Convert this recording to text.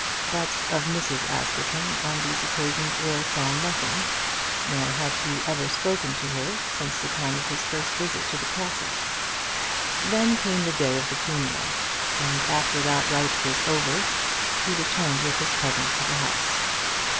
But of Mrs. Askerton on these occasions Will saw nothing, nor had he ever spoken to her since the time of his first visit to the Castle. Then came the day of the funeral, and after that rite was over he returned with his cousin to the house.